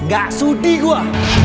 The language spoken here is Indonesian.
gak sudi gue